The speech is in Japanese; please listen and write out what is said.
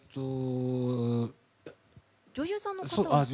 女優さんの方が。